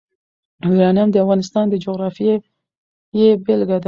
یورانیم د افغانستان د جغرافیې بېلګه ده.